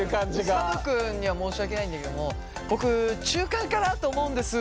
サム君には申し訳ないんだけども「僕中間かなと思うんです」が。